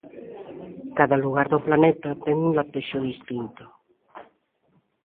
Cada lugar do planeta ten un latexo distinto.